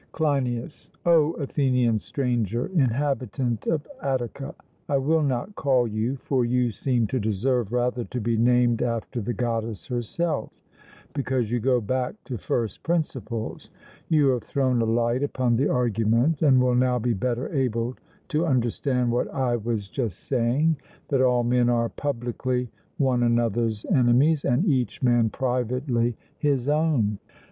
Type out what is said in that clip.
CLEINIAS: O Athenian Stranger inhabitant of Attica I will not call you, for you seem to deserve rather to be named after the goddess herself, because you go back to first principles, you have thrown a light upon the argument, and will now be better able to understand what I was just saying, that all men are publicly one another's enemies, and each man privately his own.